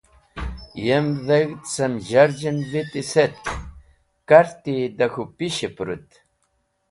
Yem dheg̃hd cem zharzh en viti setk karti da k̃hũ pish-e pũrũt.